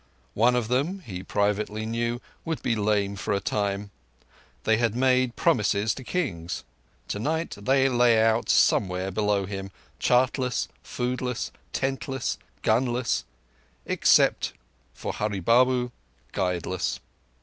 One of them, he privately knew, would be lame for a time. They had made promises to Kings. Tonight they lay out somewhere below him, chartless, foodless, tentless, gunless—except for Hurree Babu, guideless.